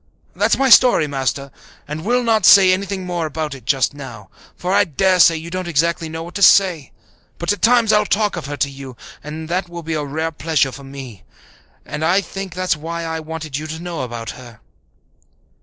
"That's my story, Master, and we'll not say anything more about it just now, for I dare say you don't exactly know what to say. But at times I'll talk of her to you and that will be a rare pleasure to me; I think that was why I wanted you to know about her."